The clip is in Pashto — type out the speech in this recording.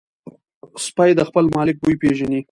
سپي د خپل مالک بوی پېژني.